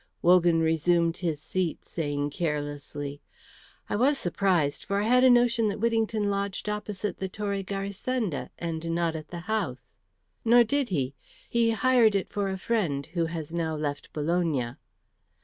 Wogan resumed his seat, saying carelessly, "I was surprised, for I had a notion that Whittington lodged opposite the Torre Garisenda, and not at the house." "Nor did he. He hired it for a friend who has now left Bologna."